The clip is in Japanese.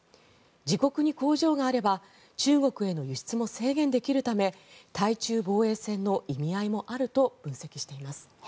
自国に工場があれば中国への輸出も制限できるため対中防衛線の意味合いもあると分析しています。